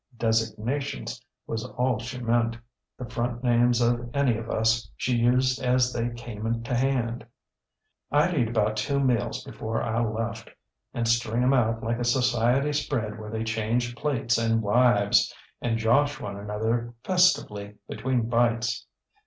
Designations was all she meant. The front names of any of us she used as they came to hand. IŌĆÖd eat about two meals before I left, and string ŌĆÖem out like a society spread where they changed plates and wives, and josh one another festively between bites.